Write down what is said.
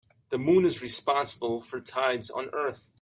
The moon is responsible for tides on earth.